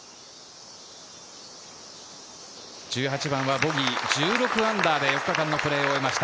１８番はボギー、−１６で４日間のプレーを終えました。